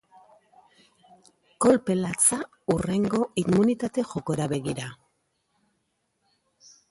Kolpe latza hurrengo immunitate jokora begira.